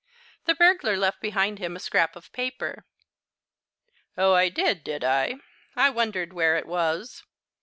"The burglar left behind him a scrap of paper " "Oh, I did, did I? I wondered where it was."